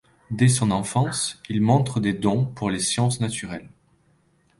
Dès son enfance, il montre des dons pour les sciences naturelles.